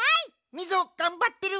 みぞがんばってる！